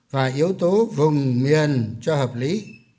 và yếu tố vùng miền cho hợp lý